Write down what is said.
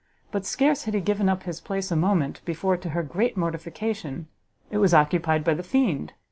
But scarce had he given up his place a moment, before, to her great mortification, it was occupied by the fiend.